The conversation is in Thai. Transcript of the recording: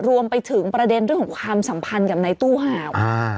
รวมไปถึงประเด็นเรื่องของความสัมพันธ์กับในตู้ห่าว